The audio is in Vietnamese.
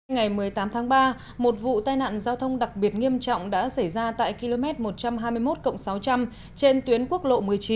ngày một mươi tám tháng ba một vụ tai nạn giao thông đặc biệt nghiêm trọng đã xảy ra tại km một trăm hai mươi một sáu trăm linh trên tuyến quốc lộ một mươi chín